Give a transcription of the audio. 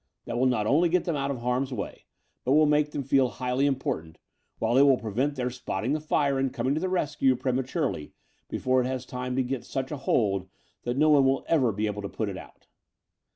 That will not only get them out of harm's way, but will make them feel highly important, while it will prevent their spotting the fire and coming to the rescue prematurely before it has time to get such a hold that no one will ever be able to put it out."